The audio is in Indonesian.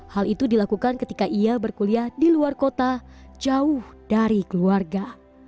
hal itu dilakukan ketika ia berkuliah di luar kota jauh dari keluarga